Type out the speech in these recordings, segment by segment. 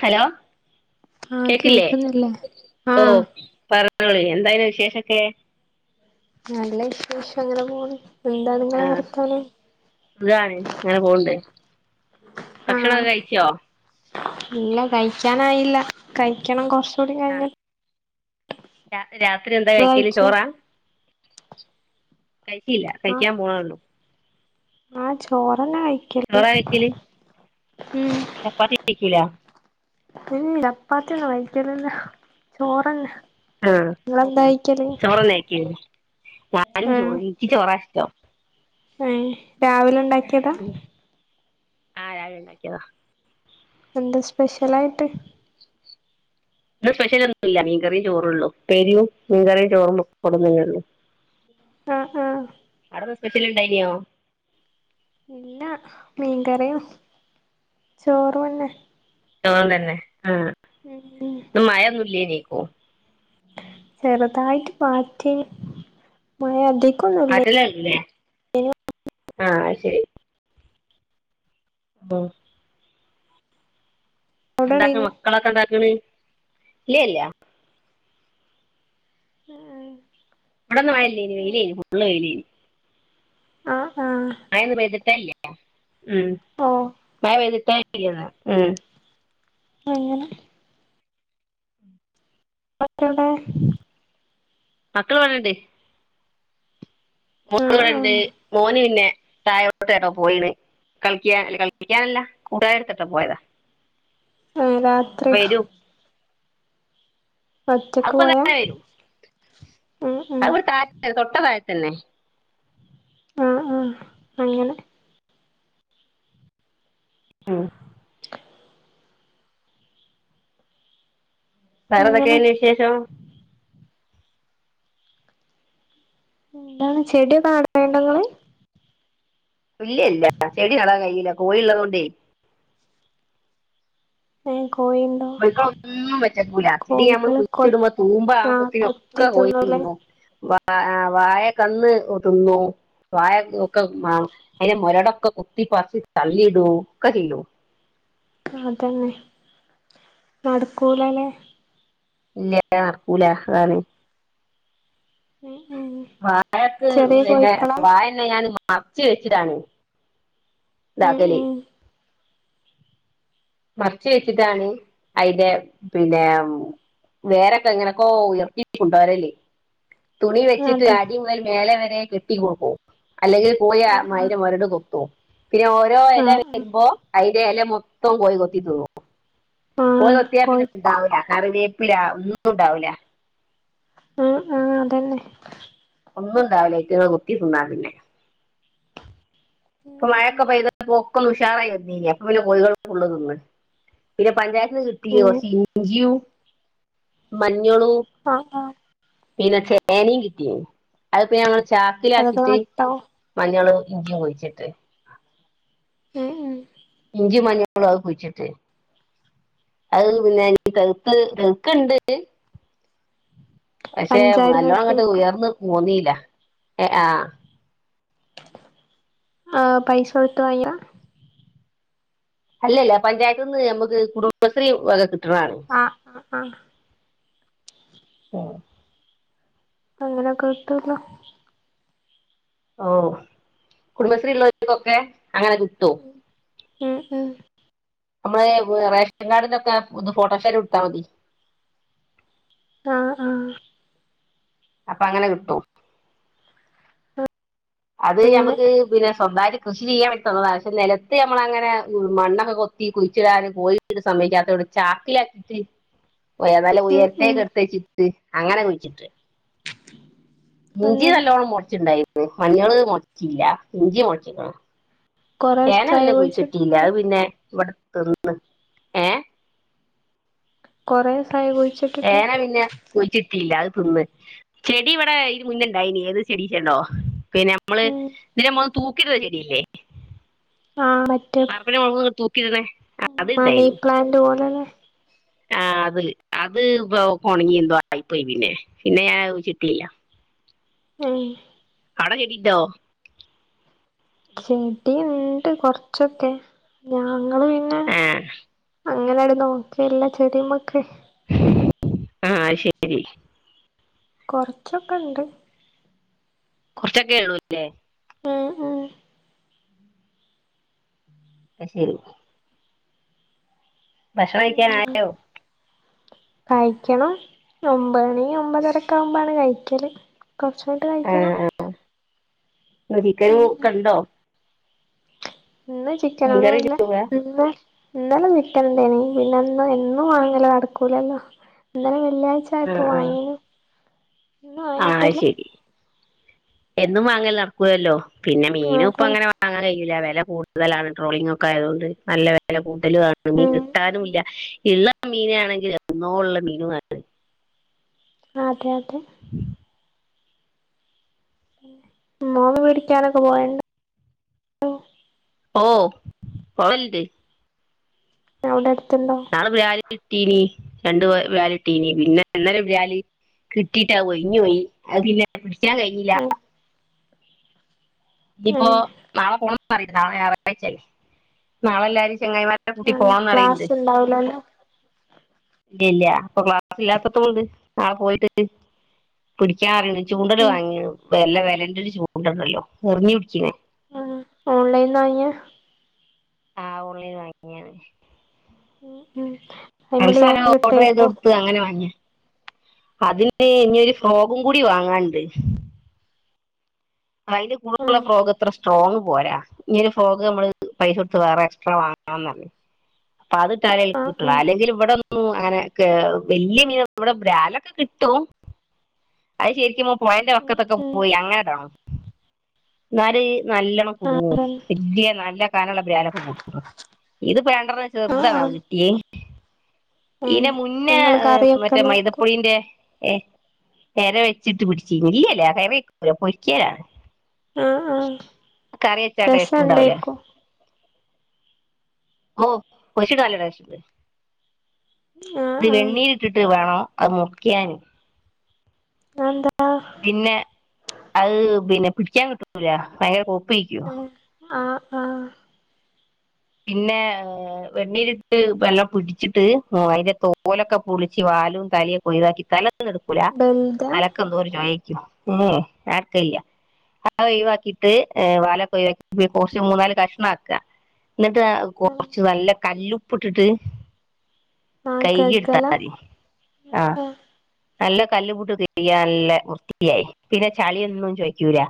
Hello ആഹ് കേക്കില്ലേ കേക്കുന്നില്ലേ ഓഹ് ആഹ് പറ പറയ് എന്താ പിന്നെ വിശേഷൊക്കെ നല്ല വിശേഷം അങ്ങനെ പോന്ന് ആഹ് സുഖാണ് ഇങ്ങനെ പോണ്ട് ആഹ് ഭക്ഷണൊക്കെ കഴിച്ചോ ഇല്ല കഴിക്കാനായില്ല കഴിക്കണം കൊറചൂടി കഴിഞ്ഞിട്ട് രാ രാത്രി എന്താ ഇങ്ങള് കഴിക്കല് കഴിച്ചോ ചോറാ കഴിച്ചില്ല ആഹ് കഴിക്കാന് പോണൊള്ളു ആഹ് ചോറന്നെ കയി ചോറാ കഴിക്കല് ഉം ചപ്പാത്തി [unintelligible] ക്കൂല ഉം ചപ്പാത്തിന്നും കഴിക്കൂലല്ല ചോറെന്നെ ആഹ് ചോറെന്നെ കഴിക്ക ഞാനും ആഹ് ചോറ് ഇൻക്ക് ചോറാ ഇഷ്ടം ഏഹ് രാവിലെ ഇണ്ടാക്കി ഉം ആഹ് രാവിലെ ഉണ്ടാക്കിയതാ എന്താ സ്പെഷ്യലായിട്ട് ഇന്ന് സ്പെഷ്യലൊന്നുംല്ല മീൻകറീം ചോറൂള്ളൂ ഉപ്പേരിം മീൻകറിം ചോറും പപ്പടോം തന്നേള്ളൂ. ആഹ് ആഹ് അവടെ സ്പെഷ്യല് ഉണ്ടായ്ന്യോ. ഇല്ല മീൻകറിം ചോറും അന്നെ [unintelligible] തന്നെ ആഹ് ഉം ഉം മഴയൊന്നുല്ലേയ്നീ ഇപ്പൊ ചെറുതായിട്ട് പാറ്റി മഴ അധികൊന്നു [unintelligible] ആഹ് അത് ശെരി ഓ അവിടെ എന്താക്കാ ഉണ്ടായിനോ മക്കളൊക്കെ എന്താക്കണ് ഇല്യ ഇല്യ [unintelligible] ഇബടിന്ന് മഴയില്ലേയ്നിം വെയിലേയ്നിം ഫുള്ള് വെയിലായ്നിം ആഹ് ആഹ് മഴ ഇന്ന് പെയ്തിട്ടേ ഇല്ല ഉം ഓ മഴ പെയ്‌തിട്ടേ ഇല്ല ഇന്ന് അങ്ങനെ മറ്റവടെ മക്കള് ഇവ‌ടൊണ്ട് മോള് ആഹ് ഇവിടുണ്ട് ആഹ് മോന് പിന്നെ തായോട്ട് എവടോ പോയിണ്. കളിക്ക്യാ കളിക്യാനല്ല കൂട്ടാര് എടുത്ത് പോയതാ. ആഹ് രാത്ര്യോ വരൂ ഒറ്റക്ക് അപ്പൊ പോയാ താഴെ ഉം ഉം അവടെ താഴത്തെന്നെ തൊട്ട താഴത്തെന്നെ ആഹ് ആഹ് അങ്ങനെ. ഉം വേറെ അങ്ങനെ എന്തൊക്കെയ്ന് വിശേഷം. എന്താണ് ചെടിയൊക്കെ നടല് ഉണ്ടൊ ഇങ്ങള്. ഇല്യല്ല ചെടി നടാം കയില്ല കോഴി ഉള്ളതോണ്ടേ. ഏഹ് കോഴി ഉ കോഴിക്കള് ഒന്നും വെച്ചേക്കൂല ഇത് നമ്മള് കുഴിച്ച് ഇടുമ്പം തൂമ്പ ആവുമ്പോത്തിനൊ ത്തി തിന്നൂല്ലേ ആഹ് ആഹ് വായ കന്ന് തിന്നു വായ ഒക്കെ ആഹ് അയ്ന്റെ മൊരടൊക്കെ കുത്തിപ്പറിച്ച് തള്ളിടു ഒക്കെ ചെയ്യും അതന്നെ നടക്കൂലല്ലേ ഇല്ല നടക്കൂല അതാണ് ഉം ഉം വാഴക്ക് ചെറിയ പിന്നെ കോഴിക്കളാ വാഴന്നെ ഞാൻ മറച്ച് വെച്ചിതാണ് ഉം ഇതാക്കല് ഉം മറച്ച് വെച്ചിട്ടാണ് അയ്ന്റെ പിന്നെ വേരൊക്കെ എങ്ങനൊക്കോ ഉയർത്തി കൊണ്ടോരല് തുണി വെച്ചിട്ട് അതെ അടി മുതൽ മേലെ വരെ കെട്ടി കൊടുക്കും അല്ലെങ്കിൽ പോയ ആഹ് അയ്ര് മൊരട് കൊത്തും പിന്നെ ഓരോ ആഹ് എല ആഹ് ആഹ് വരുമ്പോ അയ്ന്റെ എല മൊത്തം കോഴി കൊത്തി തിന്നും കോഴി കൊത്തിയാൽ പിന്നെ ണ്ടാവൂല കറിവേപ്പില ഒന്നും ഉണ്ടാവൂല. ആഹ് ആഹ് അതന്നെ ഒന്നും ഇണ്ടാവൂല അയ്റ്റങ്ള് കൊത്തി തിന്നാ പിന്നെ. ഇപ്പൊ മഴൊക്കെ പെയ്തപ്പൊക്കെ ഒക്കൊന്ന് ഉഷാറായി വന്നീനി അപ്പ പിന്നെ കോഴികള് ഫുള്ള് തിന്ന്. പിന്നെ പഞ്ചായ ത്ത്ന്ന് കിട്ടിയോ ഉം സിഞ്ചിയും മഞ്ഞളൂ ആഹ് ആഹ് പിന്നെ ചേനയും കിട്ടിനി അത്പ്പ ഞങ്ങള് അതൊക്കെ ചാക്കിലാക്കിട്ട്. നട്ടാവും മഞ്ഞളു ഇഞ്ചിയും കുഴിച്ചിട്ട് ഏഹ് ഉം ഇഞ്ചിയും മഞ്ഞളും അഹും കുഴിച്ചിട്ട് അത് പിന്നെ ഇനി തെള്ത്തെത് തെള്ക്ക്ണ്ട്. പക്ഷെ നല്ലോണം ഇങ്ങട്ട് പഞ്ചായത്ത്ന്നൊക്കെക്കും ഉയർന്ന് പോന്നീല്ല ഏഹ് ആഹ്. ആഹ് പൈസ കൊടുത്ത് വാങ്യതാ? അല്ലല്ല പഞ്ചായത്ത്ന്ന് നമ്മക്ക് കുടുംബശ്രീ വക കിട്ട്ണാണ്. അഹ് ആഹ് ആഹ്. ഉം അങ്ങനൊക്കെ കിട്ട്ണ്ടോ. ഓഹ്. കുടുംബശ്രീ ഉള്ളാൽക്കൊക്കെ അങ്ങനെ കിട്ടും. ഉം ഉം നമ്മളേ റേഷൻ കാർഡിന്റെ ഒക്കെ ഇത് ഫോട്ടോഷാറ്റ് കൊട്ത്താ മതി. ആഹ് ആഹ് അപ്പങ്ങനെ കിട്ടും. അത് അങ്ങനെ ഞമ്മക്ക് പിന്നെ സ്വന്തായിട്ട് കൃഷി ചെയ്യാൻ വേണ്ടി തന്നതാ. പക്ഷെ നെലത്ത് നമ്മളങ്ങനെ മണ്ണൊക്കെ കൊത്തി കുഴിച്ചിടാന് കോയി ട് സമ്മയ്ക്കാത്തോണ്ട് ചാക്കിലാക്കീറ്റ് ഏഹ് നല്ല ഉം ഉം ഉയരത്തേക്ക്‌ എടുത്തെച്ചിട്ട് അങ്ങനെ കുഴിച്ചിട്ട്. ഇഞ്ചി അങ്ങനെ നല്ലോണ്ണം മൊളച്ചിണ്ടായിന്നു. മഞ്ഞള് മൊളച്ചില്ല ഇഞ്ചി മൊളച്ച്ക്ക്ണ്. കൊറേ ചേന ദിവസായോ പിന്നെ കുഴിച്ചിട്ടീല്ല കുഴിച്ചിട്ടിട്ട് അത് പിന്നെ ഇവടെ തിന്ന് ണ് ഏഹ് കൊറേസായൊ കുഴിച്ച് ചേന പിന്നെ കുഴിച്ചിട്ടീല്ല. അത് തിന്ന്. ചെടി ഇവടെ ഇത് മുന്നെ ഇണ്ടായിനി. ഏത് ചെടി നിച്ചണ്ടോ. പിന്നെ നമ്മള് ഉം ഇതിന്റെ മോൾല് തൂക്കിടണ ചെടില്ലേ. ആഹ് മറ്റേ മുളക് തൂക്കിടുന്നെ അത് മണി പ്ലാന്റ് പോലെള്ളെ ആഹ് അത്. അത് ഇപ്പൊ ഒക്കൊണങ്ങി എന്തോ ആയിപ്പോയി പിന്നെ. പിന്നെ ഞാൻ അത് കുഴിച്ചിട്ടീല്ല. ഏഹ് അവടെ ചെടിണ്ടോ? ചെടി ഇണ്ട് കൊർച്ചൊക്കെ. ഞാങ്ങള് ഏഹ് അങ്ങനാട് നോക്കേല്ല ചെടിമക്ക്. ആഹ് ശരി. കൊറച്ചൊക്കെണ്ട്. കൊറച്ചൊക്കെ ഉള്ളു ല്ലേ. ആഹ് ആഹ് അയ് ശരി. ഭക്ഷണം കയ്ക്കാനായോ കഴിക്കെണം ഒമ്പണി ഒമ്പതരക്കാവുമ്പാണ് കഴിക്കെല് കൊർച്ച് കയ്ട്ട് കഴിക്കെണം ഇന്ന് ചിക്കെനൂ ഉം ഒക്കെണ്ടോ ഇന്ന് മീൻകറി ചിക്കെനൊന്നുല്ലാ രൂപ ഇന്നെ ഇന്നെലെ ചിക്കന്ണ്ടേയ്നി പിന്നെന്ന് എന്നും വാങ്ങല് നടക്കൂലല്ലോ ഇന്നെലെ വെള്ള്യാഴ്ച്ച ആഹ് ആയപ്പൊ ആഹ് വാങ്ങീനി ആഹ് അയ്ശെരി എന്നും വാങ്ങൽ നടക്കൂലല്ലോ പിന്നെ മീനും അതന്നെ പ്പങ്ങെനെ വാ വാങ്ങാൻ കയ്യൂലാ വെല കൂട്തലാണ് ട്രോളിങ്ങാെക്കായതുകൊണ്ട് നല്ലെ വെ വെല കൂട്ടലും ആണ് മീൻ ഉം കിട്ടാനുല്ല ഇള്ള മീനാണെങ്കിൽ എന്നോള്ള മീനു ആണ് ആഹ് അതെ അതെ മോള് പഠിക്കാനൊക്കെ പോവൽണ്ട ഓഹ് പോവൽണ്ട് ഏഹ് അവ്ടെ അട്ത്ത്ണ്ടോ ഞങ്ങൾ ബ്യാലി കിട്ടീനി രണ്ട് വെ വാലിട്ടീനി പിന്നെ ഇന്നാെരു ബ്യാലി കിട്ടീട്ടാ ഒയ്ഞ്ഞ് പോയ് അത് പിന്നെ പിടിക്കാം കയ്ഞ്ഞീലാ ഉം നിപ്പോ ഉം നാളെ പോണം പറയ്ണ്ട് നാളെ ഞായറാഴ്ച്ചല്ലേ നാളെല്ലാരും ചങ്ങായ്മാര് രെ കൂട്ടി ഉം പോവാന്നറീണ്ട് ക്ലാസ് ഉണ്ടാവൂലല്ലോ ഇല്ല്യ ഇല്ല്യാ ഇപ്പൊ ക്ലാസ് ഇല്ലാത്തത് കൊണ്ട് നാളെ പോയിട്ട് പിടിയ്ക്കാം അറിയു ഉം ചൂണ്ടെല് ഉം വാങ്ങീണ് വെല്ലെ വെലെന്റൊര് ചൂണ്ടണ്ടല്ലോ എർഞ്ഞ് പിടിയ്ക്ക്ണേ ആഹ് ഓൺലൈൻന്നാങ്ങ്യാ ആഹ് ഓൺലൈൻന്ന് വാങ്ങിയാണ് ഉം ഉം [unintelligible] അയ്മല് സാനം വേഗം കിട്ടേക്കും ഓർഡ്റെയ്താെട്ത്ത് അങ്ങെനെ വാങ്ങ്യാ അതിന് ഇനിയൊര് ഫ്രോഗും കൂടി വാങ്ങാണ്ട് അയ്ല് കൂടെള്ള ഉം ഫ്രോഗ് ത്ര സ്ട്രോങ്ങ് പോരാ ഇനിയൊര് ഫ്രോഗ് നമ്മള് പൈസാെട്ത്ത് വേറെ എക്സ്ട്രാ വാങ്ങണംന്നർഞ്ഞ് അപ്പൊ അത് ഇട്ടാലെ [unintelligible] ആഹ് കിട്ടാെള്ള ആഹ് അല്ലെങ്കില് ഇവടൊ ന്നും അങ്ങെനെ കേ വെല്ല്യെ മീനൊന്നും വെടെ ബ്രാലൊക്കെ കിട്ടും അത്ശെരിക്കും പോയെന്റെ വക്കത്തൊക്കെ ഉം പോയി അങ്ങെനെടെണം ന്നാല് നല്ലോം ഉം ആഹ് കുട്ങ്ങും‌ അതന്നെ വെല്യെ നല്ല കാനള്ള ബ്രാലാെക്കെ കുട്ങ്ങും ഇത് പേങ്ങർന്നെ ആഹ് ആഹ് ചെർതാണാള് ഏഹ് ഏഹ് ഈനെ മുന്നേ നിങ്ങള് ഏഹ് കറി മറ്റേ മൈദ വെക്കലേക്കും പൊയ്ന്റെ എഹ് എര വെച്ചിട്ട് പിട്ച്ചീനി ഇല്ലല്ല കറി വെക്കൂലാ പൊരിയ്ക്കലാണ് ആഹ് ആഹ് അത് കറ്യെച്ചാ ടേസ്റ്റ്ണ്ടാവുലാ രസണ്ടേക്കും ഓഹ് പൊര്ച്ച്ട്ട് നല്ല ടേസ്റ്റ്‌ണ്ട് ആഹ് ത് ആഹ് വെണ്ണീര് ട്ടിട്ട് വേണം അത് മുർക്ക്യാന് അതെന്താ? പിന്നെ അത് പിന്നെ പിടിക്കാം കിട്ടൂലാ ഭയങ്കെര കൊഴ്പ്പേയ്ക്കും ഉം ആഹ് അഹ് പിന്നേ വെണ്ണീരിട്ട് നല്ലോം പിട്ച്ച്ട്ട് അയ്ന്റെ തോലൊക്കെ പൊളിച്ച് വാലും തലിയൊക്കെ ഒയ്‌വാക്കി തല ന്നും ട്ക്കൂലാ ബെൽദ തലക്ക് എന്തോ ചൊയേയ്ക്കും ഉം ഉം ഞാട്ക്കേല്ല്യാ ആ ഒഴിവാക്കീട്ട് അ വാലക്ക ഒഴവാക്കി കൊർച്ച് മൂന്നാല് കഷ്ണാക്ക എന്നിട്ട് ഉം കൊറച്ച് നല്ല കല്ലുപ്പിട്ടിട്ട് ആഹ് ഗഗ്ഗല കൈയെടുത്താതി ആഹ് നല്ല കല്ലുപിട്ടിരാൻ നല്ല വൃത്തിയായി പിന്നെ ചളിയൊന്നും ചോയ്ക്കൂലാ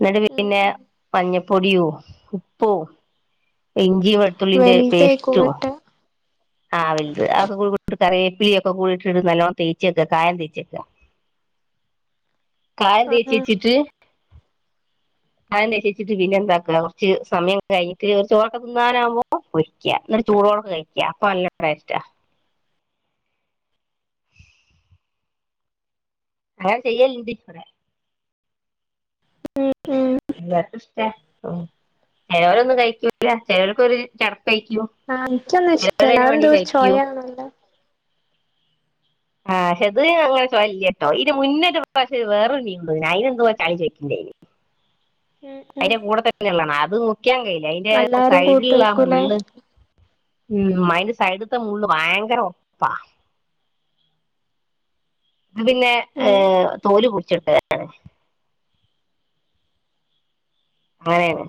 എന്നിട്ട് ഉം പിന്നെ ഉം മഞ്ഞപ്പൊടിയു ഉപ്പും. ഇഞ്ചിയും വെളുത്തുള്ളിന്റെ വെൽതേക്കും പേസ്റ്റും. കിട്ടാ ആ വലുത്ത് ആക്ക കൂടി കറിയേപ്പിലയക്ക കൂടിയിട്ട് നല്ലോണം തേച്ചെക്ക കായം തേച്ചെക്ക കായം ആഹ് തേച്ച് ആഹ് വെച്ചിട്ട്. ആ എണ്ണേച്ച്ച്ചിട്ട് പിന്നെ എന്താക്ക കുറച്ച് സമയം കഴിഞ്ഞിട്ട് കുറച്ച് ചൊറൊക്ക തിന്നാനാകുമ്പോ പൊരിക്ക എന്നിട്ട് ചൂടൊടെ കഴി ക്ക അപ്പൊ നല്ല ടേസ്റ്റാ. അങ്ങനെ ചെയ്യലിണ്ട് ഇവിടെ ഉം ഉം എർക്കും ഇഷ്ട ചെലവരൊന്നും കഴിക്കൂല്ല ചെലർക്കൊരും ചടപ്പായിക്കും. ആ എനിക്കൊന്നും ഇഷ്ടല്ല അതെന്തൊരു ചൊയാന്നല്ല. ആ പക്ഷെ അത് അങ്ങനെചൊയല്ലട്ടോ, ഇത് മുന്നത്തെ പ്രാവശ്യം വേറൊരു മീന് അതിനെ എന്തോ ചൊയ ചൊയിക്കിണ്ടാര്ന്നു. ഉം ഉം അയിൻ്റെ കൂട തന്നെ ഉള്ളതാണ് അതു വിക്കാൻ കഴയില്ല അയിന്റെ എല്ലാരും സൈഡിലുള്ള ആ കൂട്ടേക്കൂലേ മുള്ള് ഉം അയിന്റെ സൈഡ്ത്തെ മുള്ള് ഭയങ്കര ഒറപ്പാ. ഇത് പിന്നെ ഏ ഉം തോല് പൊടിച്ചെടുക്കലാണ്. അങ്ങനെയാണ്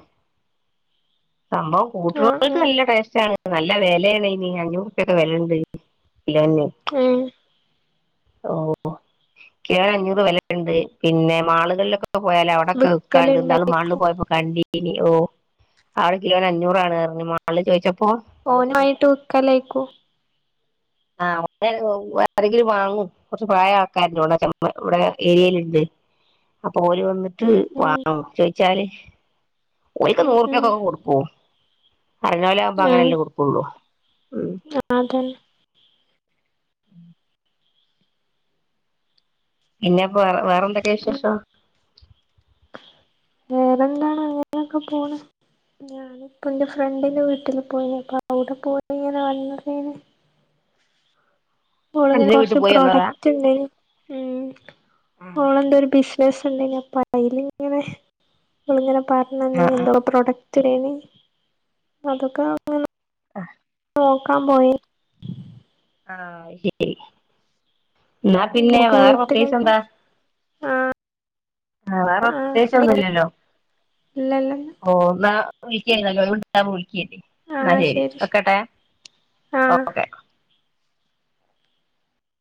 സംഭവം ആഹ് കൂട്ട്കൾക്ക് ആഹ് നല്ല ടേസ്റ്റാണ്ണ്. നല്ല വെലയാണ് ഇനി അഞ്ഞൂറുപ്പ്യൊക്കെ വെലയുണ്ട്. ഇല്ലാന്നു ഉം ഓ കിലോ അഞ്ഞൂറ് വെലുണ്ട് പിന്നെ മാളുകളിലൊക്കെ എപ്പോ പോയാലും, അവിടൊക്കെ വിക്കാണ്ട് ഇന്നാള് മാൾല് വിക്കലുണ്ടായിരിക്കും പോയപ്പോ കണ്ടീനി ഓ ആവിടെ കിലോന് അഞ്ഞൂറാണ് പർഞ്ഞ് മാള് ചോയിച്ചപ്പോ ഓനുമായിട്ട് വിക്കലായിക്കൂ. ആ അവ ആരെങ്കിലും വാങ്ങും കൊർച്ച് പ്രായായ ആൾക്കാരുണ്ട്. ഇവിടെ ഏരിയയിലുണ്ട്. അപ്പൊ ഓര് വന്നിട്ട് ഉം ഉം വാങ്ങു ചോയിച്ചാല് ഓരിക്ക് ഉം ഉം നൂറുപൃക്കൊക്കെ കൊടുക്കും. അറിഞ്ഞലപ്പ അങ്ങനല്ലെ കൊടുക്കുള്ളൂ. ഉം ആ അതന്നെ ഇന്നെപ്പൊ വേറെ വേറെന്തൊക്കെയ ഉം വിശേഷം. വേറെന്താണ്, അങ്ങനേക്കെ പോണ് ഞാനും. അപ്പൊ എന്റെ ഫ്രണ്ടിൻന്റെ വീട്ടില് പോയി നിക്ക അപ്പൊ അവിടെ പോയി ഇങ്ങനെ വന്നതാണ്. ഓളങ്ങനെ ഫ്രണ്ടിന്റെ വീട്ടിൽ കൊർച്ച് പോയി വന്നതാ പ്രൊഡക്റ്റുണ്ട് ഉം ആഹ് ഓള് എന്തോരു ബിസിനസ്ന് ഉണ്ടീനു അപ്പൊ അയിനിങ്ങനെ ഓളിങ പറഞ്ഞ നീ ആഹ് എന്തോ പ്രോഡക്റ്റ്ടേണെ അതൊക്കെ വാ അ നോക്കാൻ പോയെ ആഹ് ശരി എന്നാ പിന്നെ നമുക്ക് വേറെ അത്യാവശ്യം വീട്ടിലേക്ക് എന്താ ആ ആ വേറത്യാവശ്യം ഒന്നുല്ലല്ലോ ഇല്ലല്ല ഓ എന്നാ വിളിക്കാര്ന്നല്ലോ ഒഴിവുണ്ടാംമ്പോ വിളിക്കേ എന്നാ ശരി വെക്കട്ടെ ആ ഓക്കെ